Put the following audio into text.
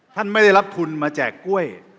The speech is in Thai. ท่านไม่ได้รับทุนมาแจกกล้วย